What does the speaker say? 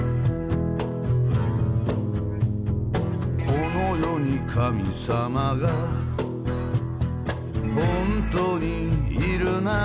「この世に神様が本当にいるなら」